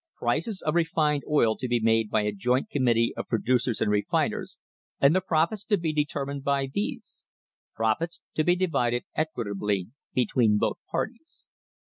Prices of refined oil to be made by a joint committee of producers and refiners, and the profits to be de termined by these; profits to be divided equitably between both parties.